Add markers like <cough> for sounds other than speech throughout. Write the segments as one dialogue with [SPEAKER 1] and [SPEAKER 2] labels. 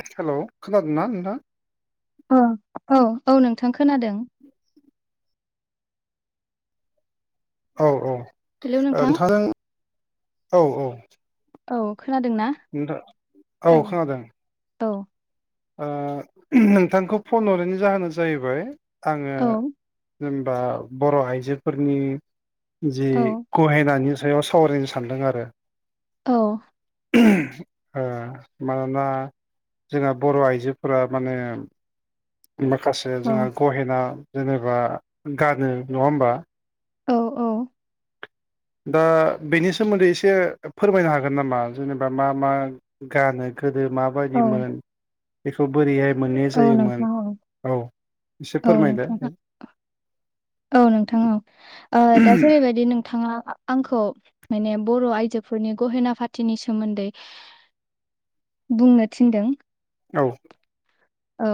[SPEAKER 1] हेल' खोनादोंना नोंथां
[SPEAKER 2] अ औ औ नोंथां खोनादों
[SPEAKER 1] औ औ
[SPEAKER 2] हेलौ नोंथां
[SPEAKER 1] नोंथांजों औ औ
[SPEAKER 2] औ खोनादों ना
[SPEAKER 1] नोंथां औ खोनादों
[SPEAKER 2] औ
[SPEAKER 1] ओ नोंथांखौ फन हरनायनि जाहोना जाहैबाय आङो
[SPEAKER 2] औ
[SPEAKER 1] जेनबा बर' आइजोफोरनि जि
[SPEAKER 2] औ
[SPEAKER 1] गहेनानि सायाव सावरायनो सानदों आरो
[SPEAKER 2] औ
[SPEAKER 1] मानोना जोंहा बर' आइजोफोरा माने माखासे जोंहा
[SPEAKER 2] औ
[SPEAKER 1] गहेना जेनेबा गानो नङा होमबा
[SPEAKER 2] औ औ
[SPEAKER 1] दा बेनि सोमोन्दै एसे फोरमायनो हागोन हागोन नामा जेनेबा मा मा गानो गोदो
[SPEAKER 2] औ
[SPEAKER 1] माबायदि मोन बेखौ बोरैहाय मोनै
[SPEAKER 2] औ
[SPEAKER 1] जायोमोन
[SPEAKER 2] नोंथां औ
[SPEAKER 1] औ एसे
[SPEAKER 2] औ
[SPEAKER 1] फोरमायदो
[SPEAKER 2] नोंथां औ नोंथां औ दा जेरैबायदि नोंथाङा आंखौ माने बर' आयजोफोरनि गहेना फाथिनि सोमोन्दै बुंनो थिनदों
[SPEAKER 1] औ
[SPEAKER 2] औ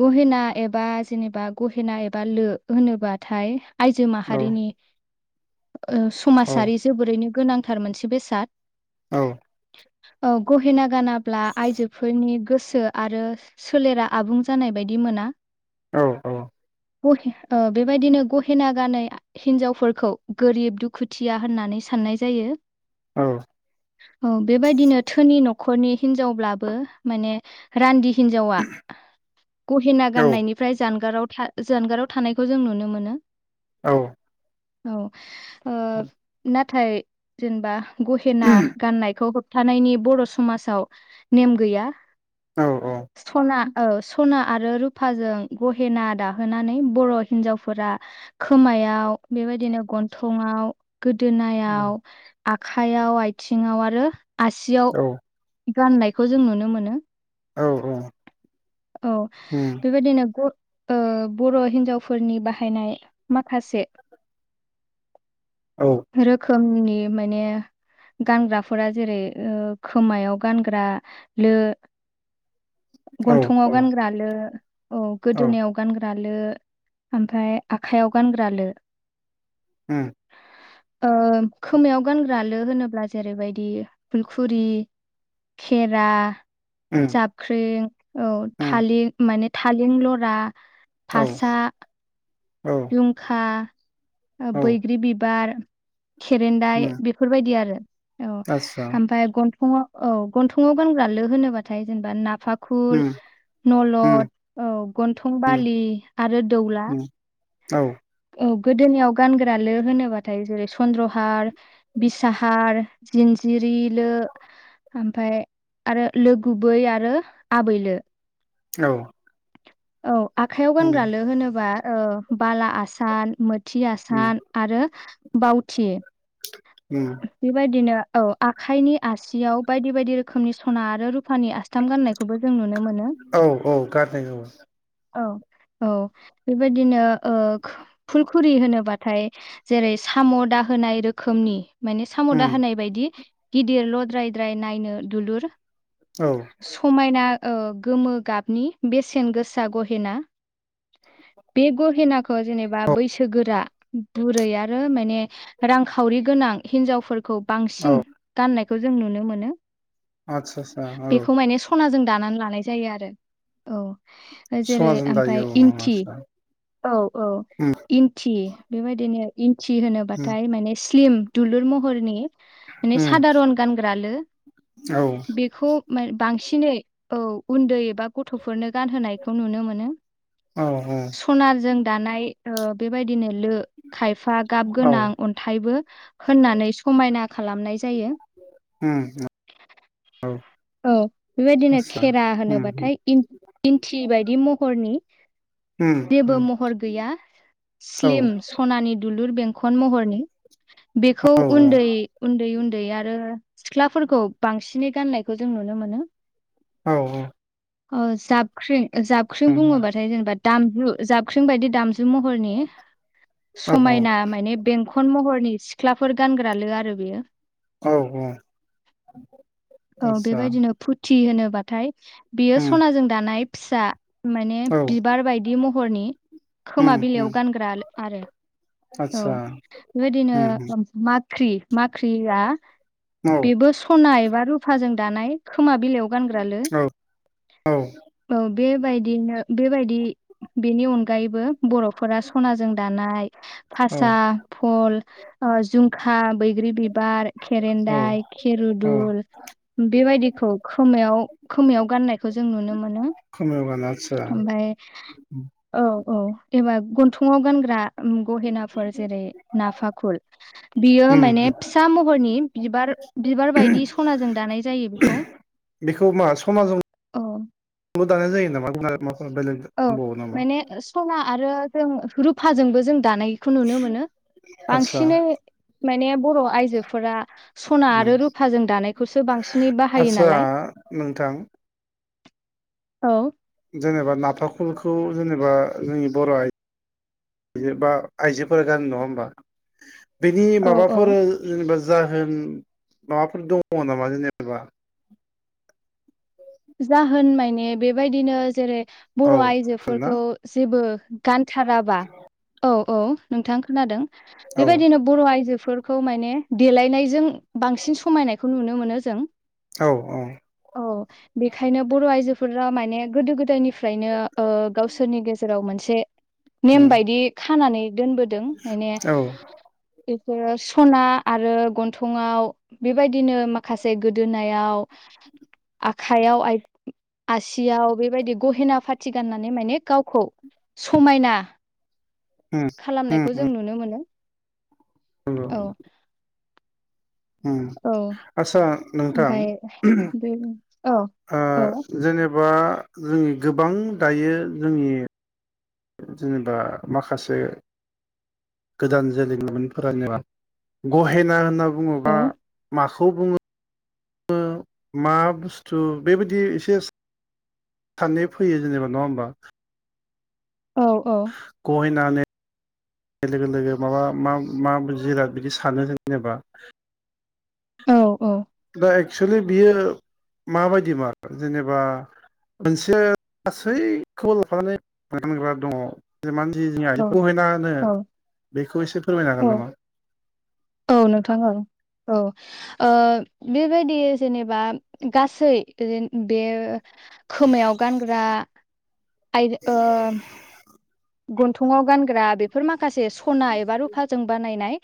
[SPEAKER 2] गहेना एबा जेनेबा गहेना एबा लो होनोबाथाय आइजो
[SPEAKER 1] औ
[SPEAKER 2] माहारिनि ओ
[SPEAKER 1] औ
[SPEAKER 2] समाजारि जोबोरैनो गोनांथार मोनसे बेसाद
[SPEAKER 1] औ
[SPEAKER 2] औ गहेना गानाब्ला आइजोफोरनि गोसो आरो सोलेरा आबुं जानाय बायदि मोना
[SPEAKER 1] औ औ
[SPEAKER 2] गहे बेबायदिनो गहेना गानै हिनजावफोरखौ गोरिब दुखुथिया होननानै सानो साननाय जायो
[SPEAKER 1] औ
[SPEAKER 2] औ बेबायदिनो धोनि न'खरनि हिनजावब्लाबो माने रान्दि हिनजावा गहेना
[SPEAKER 1] औ
[SPEAKER 2] गाननायनि फ्राय जानगाराव जानगाराव थानायखौ जों नुनो मोनो।
[SPEAKER 1] औ
[SPEAKER 2] औ नाथाय जेनेबा गहेना गाननायखौ होब थानायनि बर' समाजाव नेम गैया
[SPEAKER 1] औ औ
[SPEAKER 2] स्टना औ सना आरो रुफाजों गहेना दाहोनानै बर' हिन्जावफोरा खोमायाव बेबायदिनो गन्थंआव
[SPEAKER 1] उम
[SPEAKER 2] गोदोनायाव आखाइयाव आथिङाव आरो आसियाव गाननायखौ जों नुनो मोनो औ बेबायदिनो बर' हिन्जावफोरनि बाहायनाय माखासे
[SPEAKER 1] <unintelligible> औ
[SPEAKER 2] रोखोमनि माने गानग्राफोरा जेरै खोमायाव गानग्रा लो
[SPEAKER 1] औ
[SPEAKER 2] गन्थंआव गानग्रा लो औ गोदोनायाव गानग्रा- लो ओमफ्राय आखाइयाव गानग्राल
[SPEAKER 1] ह
[SPEAKER 2] खोमायाव गानग्रालो होनोब्ला जेरैबायदि फुलखुरि सेरा
[SPEAKER 1] उम
[SPEAKER 2] जाबख्रिं औ
[SPEAKER 1] उम
[SPEAKER 2] थालें माने थालें लरा
[SPEAKER 1] औ
[SPEAKER 2] फासा
[SPEAKER 1] औ
[SPEAKER 2] जुंखा
[SPEAKER 1] औ
[SPEAKER 2] बैग्रि बिबार खेरेन्दाय
[SPEAKER 1] उम
[SPEAKER 2] बेफोरबायदि आरो औ
[SPEAKER 1] आस्सा
[SPEAKER 2] ओमफ्राय गन्थंआव औ गन्थंआव गानग्रालो होनोबाथाय जेनेबा नाफा खुल
[SPEAKER 1] उम उम
[SPEAKER 2] नलद औ गन्थं बालि आरो दौला
[SPEAKER 1] उम औ
[SPEAKER 2] गोदोनियाव गानग्रा लो होनोबाथाय जेरै चन्द्रहार बिसाहार जिनजिरि बिलो ओमफ्राय आरोै आरो आबैल
[SPEAKER 1] औ।
[SPEAKER 2] औ आखयाव गानग्रा लो होनोबा बाला आसान
[SPEAKER 1] उम
[SPEAKER 2] थयाान आरो बावथि
[SPEAKER 1] उम
[SPEAKER 2] बेबायदिनो औ आखायनि आसियाव बायदि बायदि रोखोमनि सना आरो सुफानि आसथाम गान्नायखौबो जों नुनो मोनो
[SPEAKER 1] औ औ गारनाय औ
[SPEAKER 2] औ औ बेबायदिनो नाथाय जेरै साम' दा होनाय रोखोमनि माने साम' दा
[SPEAKER 1] उम
[SPEAKER 2] होनाय बायदि गिदिरल'द्रायद्राय नायनो दुलुर
[SPEAKER 1] औ
[SPEAKER 2] समायना गोमो गाबनि बेसेन गोसा गहेना बे गहेनाखौ जेनेबा
[SPEAKER 1] औ
[SPEAKER 2] बैस गोरा बुरै आरो माने रांखावरि गोनां हिनजावफोरखौ बांसिन
[SPEAKER 1] औ
[SPEAKER 2] गाननायखौ जों नुनो मोनो।
[SPEAKER 1] आतसा आतसा औ।
[SPEAKER 2] बेखौ माने सनाजों दानानै लानाय जायो आरो औ जेरै
[SPEAKER 1] समाजों दायो
[SPEAKER 2] ओमफाय
[SPEAKER 1] औ
[SPEAKER 2] इन्थि
[SPEAKER 1] आदसा
[SPEAKER 2] औ औ
[SPEAKER 1] उम
[SPEAKER 2] इन्थि बेबायदिनो इन्थि
[SPEAKER 1] उम
[SPEAKER 2] होनोबाथाय माने स्लिम दुलुर महरनि बि
[SPEAKER 1] उम
[SPEAKER 2] सादारन गानग्रा लो
[SPEAKER 1] औ
[SPEAKER 2] बेखौ बांसिनै औ उन्दै एबा गथ गथ'फोरनो गानहोनायखौ नुनो मोनो
[SPEAKER 1] औ औ
[SPEAKER 2] सनाजों दानाय बेबायदिनो लो खायफा गाब
[SPEAKER 1] औ
[SPEAKER 2] गोनां अन्थाइबो होननानै समायना खालामनाय जायो।
[SPEAKER 1] ह
[SPEAKER 2] औ बेबायदिनो खेरा
[SPEAKER 1] उम
[SPEAKER 2] होनोबाथाय इन्थि बायदि महरनि
[SPEAKER 1] उम
[SPEAKER 2] जेबो
[SPEAKER 1] उम
[SPEAKER 2] महर गैया
[SPEAKER 1] औ
[SPEAKER 2] स्लिम सनानि द दुलुर बेंखन महरनि बेखौ
[SPEAKER 1] औ
[SPEAKER 2] उन्दै उन्दै उन्दै आरो सिख्लाफोरखौ बांसिनै गाननायखौ जों नुनो मोनो।
[SPEAKER 1] औ औ।
[SPEAKER 2] अ जाबख्रिं जाबख्रिं बुङोबाथाय जेनेबा दामजु जाबख्रिं बायदि दाम महरनि
[SPEAKER 1] औ
[SPEAKER 2] समायना
[SPEAKER 1] औ
[SPEAKER 2] माने बेंखन महर सिख्लाफोर गानग्रा लो आरो बेयो
[SPEAKER 1] औ औ।
[SPEAKER 2] औ
[SPEAKER 1] आस्सा
[SPEAKER 2] बेबायदिनो फुथि होनोबाथाय बेयो
[SPEAKER 1] उम
[SPEAKER 2] सनाजों दानाय फिसा माने
[SPEAKER 1] औ
[SPEAKER 2] बिबार बायदि महरनि खोमा
[SPEAKER 1] उम
[SPEAKER 2] बिलाइयाव
[SPEAKER 1] उम
[SPEAKER 2] गानग्रा आरो औ
[SPEAKER 1] आस्सा उम उम
[SPEAKER 2] बेबायदिनो मा? ख्रि माख्रिया
[SPEAKER 1] औ
[SPEAKER 2] बेबो सना एबा रुफाजों दानाय खोमा बिलाइयाव गानग्रालो औ बेबायदिनो बेबायदि बेनि अनगायैबो बर'फोरा सनाजों दानाय।
[SPEAKER 1] औ
[SPEAKER 2] फासा फल ओ जुमखा बैग्रि बिबार खेरेनदाय।
[SPEAKER 1] औ
[SPEAKER 2] खेरुदुल बेबायदिखौ खोमायाव खोमायाव गाननायखौ जों नुनो मोनो
[SPEAKER 1] खोमायाव गानो आदसा
[SPEAKER 2] ओमफाय
[SPEAKER 1] उम
[SPEAKER 2] औ औ एबा गन्थंआव गानग्रा गहेनाफोर जेरै नाफाखुल बियो
[SPEAKER 1] उम
[SPEAKER 2] माने फिसा महरनि बिबार बिबार बायदि सनाजों दानाय जायो बेखौ
[SPEAKER 1] बेखौ मा समाजजोंल'
[SPEAKER 2] अ
[SPEAKER 1] दानाय जायो‌ नामा <unintelligible>
[SPEAKER 2] औ
[SPEAKER 1] दंबावो नामा
[SPEAKER 2] माने सना आरो जों रुफाजोंबो जों दानायखौ नुनो मोनो
[SPEAKER 1] आदसा
[SPEAKER 2] बांसिनै माने बर' आइजोफोरा सना
[SPEAKER 1] उम
[SPEAKER 2] आरो रुफाजों दानायखौसो बांसिनै बाहायो
[SPEAKER 1] आदसा
[SPEAKER 2] नालाय
[SPEAKER 1] नोंथां
[SPEAKER 2] औ
[SPEAKER 1] जेनेबा नाफाखलखौ जेनेबा जोंनि बर' आइ बिदिबा आइजोफोरा गानो नङा होमबा? बेनि
[SPEAKER 2] औ औ
[SPEAKER 1] माबाफोर जेनेबा जा होन माबाफोर दङ नामा जेनेबा
[SPEAKER 2] जाहोन माने बेबायदिनो जेरै
[SPEAKER 1] औ
[SPEAKER 2] बर'
[SPEAKER 1] खोनादोंना
[SPEAKER 2] आइजोफोरखौ जेबो गानथाराबा औ औ नोंथां खोनादों
[SPEAKER 1] औ
[SPEAKER 2] बेबायदिनो बर' आइजो फोरखौ माने देलायनायजों बांसिन समायनायखौ नुनो मोनो जों
[SPEAKER 1] औ औ
[SPEAKER 2] औ बेखायनो बर' आइजोफोरा माने गोदो गोदायनिफ्रायनो ओ गावसोरनि गेजेराव मोनसे नेम
[SPEAKER 1] उम
[SPEAKER 2] बायदि खानानै दोनबोदों माने
[SPEAKER 1] औ
[SPEAKER 2] बिसोरो सना आरो गन्थंआव बेबायदिनो माखासे गोदोनायाव
[SPEAKER 1] <inaudible>
[SPEAKER 2] हायाव आइ आसियाव बेबायदि गहेना फाथि गाननानै माने गावखौ समायना
[SPEAKER 1] उम
[SPEAKER 2] खालामनायखौ जों नुनो मोनो
[SPEAKER 1] औ ओम
[SPEAKER 2] औ
[SPEAKER 1] आस्सा नोंथां
[SPEAKER 2] ओमफ्राय बे औ
[SPEAKER 1] ओ
[SPEAKER 2] औ
[SPEAKER 1] जेनेबा जों गोबां दायो जोंनि जेनेबा माखासे गोदान <unintelligible> जोलैमोनफोरानो गहेना होनना
[SPEAKER 2] औ
[SPEAKER 1] बुङोबा माखौ खौ बुङो मा बुस्थु बेबायदि एसे साननाय फैयो जेनेबा नङा होमबा?
[SPEAKER 2] औ औ
[SPEAKER 1] <unintelligible> लोगो लोगो माबा मा मा जिराद बिदि सानो जेनेबा
[SPEAKER 2] औ औ
[SPEAKER 1] दा एक्सुलि बियो माबायदिमार जेनेबा मोनसे गासैखौबो लाफानानै <unintelligible> दङ <unintelligible>
[SPEAKER 2] औ
[SPEAKER 1] गहेना होनो‌ बेखौ‌ एसे फोरमायनो
[SPEAKER 2] औ
[SPEAKER 1] हागोन नामा?
[SPEAKER 2] औ नोंथां ओं औ ओ बेबायदि जेनेबा गासै जेन बे खोमायाव गानग्रा आइ ओ गन्थङाव गानग्रा बेफोर माखासे सना एबा रुफाजों बानायनाय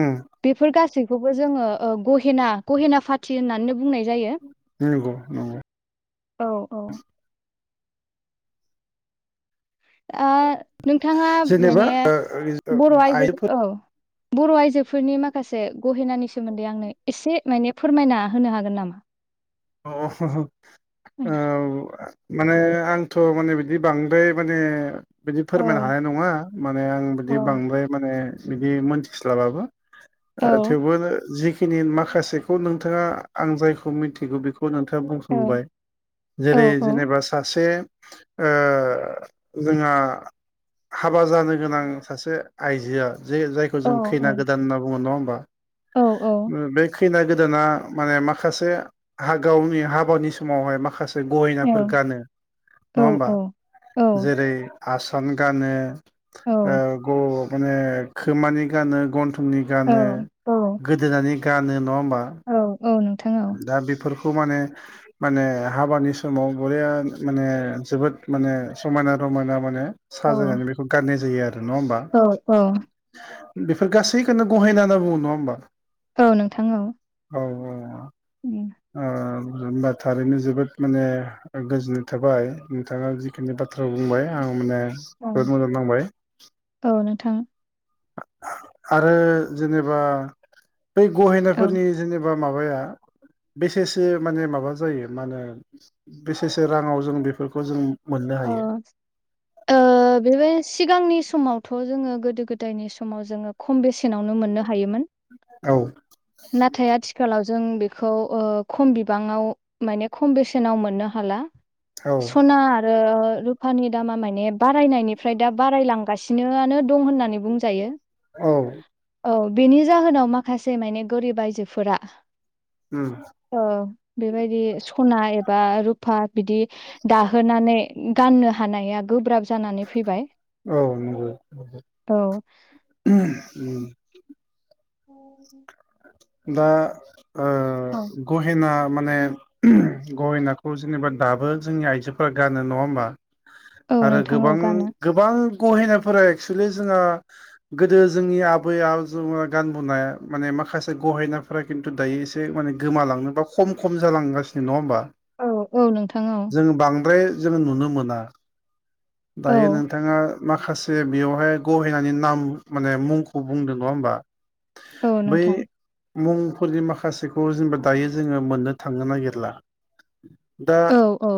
[SPEAKER 1] उम
[SPEAKER 2] बेफोर गासै बेखौबो जोङो ओ- गहेना गहेना फाथि होननानै बुंनाय जायो।
[SPEAKER 1] नोंगौ नंगौ
[SPEAKER 2] औ औ आ- नोंथाङा
[SPEAKER 1] जेनेबा
[SPEAKER 2] बेनि
[SPEAKER 1] ओ
[SPEAKER 2] बर' आयजो
[SPEAKER 1] आइजोफोर
[SPEAKER 2] औ बर' आइजोफोरनि माखासे गहेनानि सोमोन्दै आंनो एसे माने फोरमायना होनो हागोन नामा?
[SPEAKER 1] अ आ माने आंथ' माने बिदि बांद्राय माने बिदि
[SPEAKER 2] औ
[SPEAKER 1] फोरमायनो हानाय नङा माने आं
[SPEAKER 2] औ।
[SPEAKER 1] बिदि बांद्राय माने बिदि मोनथिस्लाबाबो
[SPEAKER 2] औ
[SPEAKER 1] थेवबो जिखिनि माखासेखौ नोंथाङा आं जायखौ मिथिगौ बे नोंथाङा
[SPEAKER 2] औ औ।
[SPEAKER 1] बुंखांबाय
[SPEAKER 2] औ
[SPEAKER 1] जेरै जेनेबा सासे ओ जोंहा हाबा जानो गोनां सासे आइजोआ जे जायखौ
[SPEAKER 2] औ
[SPEAKER 1] जों
[SPEAKER 2] औ।
[SPEAKER 1] खैना गोदान होनना बुङो नङा होमबा
[SPEAKER 2] औ औ।
[SPEAKER 1] बे खैना गोदाना माने माखासे गावनि हाबानि समावहाय माखासे ग गहिनाफोर गानो नङा होमबा जेरै आसान गानो ओ- ग माने खोमानि गानो गथं फुंनि
[SPEAKER 2] औ
[SPEAKER 1] गानो
[SPEAKER 2] औ।
[SPEAKER 1] गोदोनानै गानो। नङा होमबा
[SPEAKER 2] औ औ औ।
[SPEAKER 1] दा बेफोरखौ माने माने हाबानि समाव बरया माने जोबोद माने समायना माने माने
[SPEAKER 2] औ।
[SPEAKER 1] साजायनानै बेखौ गाननाय जायो आरो नङा होमबा
[SPEAKER 2] औ औ
[SPEAKER 1] बेफोर गासैखौननो गहायना होनना बुङो नङा होमबा?
[SPEAKER 2] औ नोंथां औ
[SPEAKER 1] औ औ आ होनबा थारैनो जोबोद माने गोजोननाय थाबाय नोंथाङा जिखिनि बाथ्रा बुंबाय आं माने
[SPEAKER 2] औ।
[SPEAKER 1] जबोद मोजां नांबाय
[SPEAKER 2] औ नोंथां
[SPEAKER 1] आरो जेनेबा बै
[SPEAKER 2] औ।
[SPEAKER 1] गहेनाफोरनि जेनेबा माबाया बेसेसो माने माबा जायो मा होनो बेसेसो राङाव जों बेफोरखौ जों मोननो
[SPEAKER 2] अ
[SPEAKER 1] हायो
[SPEAKER 2] आ बेबाय सिगांनि समावथ' जोङो गोदो गोदायनि समाव जोङो खम बेसेनावनो मोननो हायो हायोमोन
[SPEAKER 1] औ
[SPEAKER 2] नाथाय आथिखालाव जों बेखौ ओ- खम बिबाङाव माने खम बेसेनाव मोननो हाला
[SPEAKER 1] औ
[SPEAKER 2] सनार रुफानि दामा माने बारायनायनिफ्राय दा बारायलांगासिनोनो दं होननानै बुंजायो
[SPEAKER 1] औ
[SPEAKER 2] औ बेनि जाहोनाव माखासे माने गोरिब आयजोफोरा
[SPEAKER 1] उम
[SPEAKER 2] औ बेबायदि सना एबा रुफा बिदि दाहोनानै गाननो हानाया गोब्राब जानानै फैबाय
[SPEAKER 1] औ नंगौ
[SPEAKER 2] औ
[SPEAKER 1] उम
[SPEAKER 2] <inaudible>
[SPEAKER 1] दा
[SPEAKER 2] औ
[SPEAKER 1] ओ गहेना माने गहेनाखौ जेनेबा दाबो जोंनि आइजोफोरा गानो नङा होमबा
[SPEAKER 2] औ
[SPEAKER 1] आरो
[SPEAKER 2] नोंथां औ
[SPEAKER 1] गोबां
[SPEAKER 2] गानो
[SPEAKER 1] गोबां गहिनायफोरा एक्सुेलि जोंङो गोदो जोंनि आबै आब ज गानबनाय माने माखासे माखासे गहेनाफोरा खिन्थु दायो एसे माने गोमालांनो बा खम खम जालांगासिनो नङा होमबा
[SPEAKER 2] औ औ नोंथां औ
[SPEAKER 1] जों नुनो मोना
[SPEAKER 2] औ
[SPEAKER 1] दायो नोंथाङा माखासे बेयावहाय गहेनि नाम माने मुंखौ बुंदों नङा होमबा
[SPEAKER 2] औ
[SPEAKER 1] बै
[SPEAKER 2] नोंथां
[SPEAKER 1] मुंफोरनि माखासेखौ जेनेबा दायो जोङो मोननो थांनो नागिरला दा
[SPEAKER 2] औ औ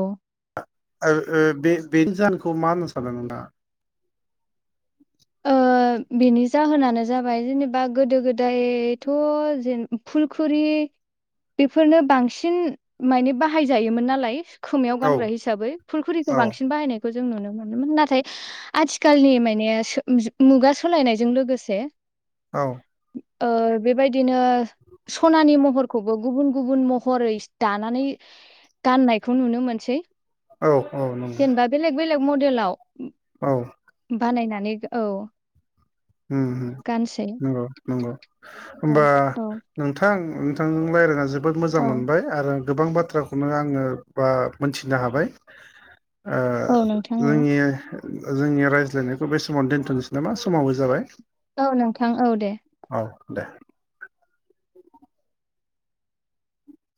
[SPEAKER 1] ओ ओ बे बेनि जाहोनखौ मा होनना सानदों नोंथाङा <unintelligible>
[SPEAKER 2] ओ बेनि जाहोनानो जाबाय जेनेबा गोदो गोदायथ' जेन फुलखुरि बेफोरनो बांसिन माने बाहायजायोमोन नालाय खोमायाव
[SPEAKER 1] औ
[SPEAKER 2] गानग्रा हिसाबै फुलखुरिखौ
[SPEAKER 1] औ
[SPEAKER 2] बांसिन बायनायखौ जो जों नुनो मोनोमोन नाथाय आथिखालनि माने सो मुजो मुगा सालायनायजों लोगोसे
[SPEAKER 1] औ
[SPEAKER 2] ओ बेबायदिनो सनानि महरखौबो गुबुन गुबुन महरैस दानानै गाननायखौ नुनो मोनसै
[SPEAKER 1] औ औ नंगौ
[SPEAKER 2] लेग मदेलाव
[SPEAKER 1] औ
[SPEAKER 2] बानायनानै औ
[SPEAKER 1] उम उम
[SPEAKER 2] गानसै
[SPEAKER 1] नंगौ नंगौ
[SPEAKER 2] औ
[SPEAKER 1] होमबा
[SPEAKER 2] औ
[SPEAKER 1] नोंथां नोंथांजों रायज्लायना जोबोद मोजां
[SPEAKER 2] औ
[SPEAKER 1] मोनबाय आरो गोबां बाथ्राखौनो आङो बा मोनथिनो हाबाय ओ
[SPEAKER 2] औ नोंथां औ
[SPEAKER 1] जोंनि जोंनि रायज्लायनायखौ बे समाव दोनथ'नोसै नामा समाबो ज
[SPEAKER 2] औ नोंथां औ दे
[SPEAKER 1] औ दे